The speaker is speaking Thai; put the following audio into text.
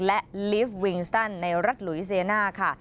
และลีฟวิงตันในรัฐหลุยเซียน่าค่ะ